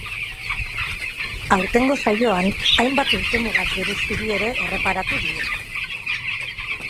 Aurtengo saioan, hainbat urtemuga bereziri ere erreparatu diete.